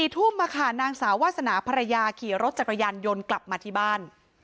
๔ทุ่มนางสาววาสนาภรรยาขี่รถจักรยานยนต์กลับมาที่บ้าน